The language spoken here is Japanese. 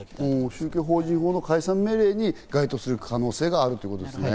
宗教法人法の解散命令に該当する可能性があるということですね。